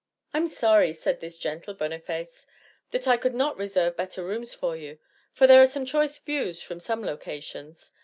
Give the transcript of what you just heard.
"I'm sorry," said this gentle boniface, "that I could not reserve better rooms for you for there are some choice views from some locations.